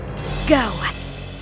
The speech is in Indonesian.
ternyata itu adalah raden surawi sesa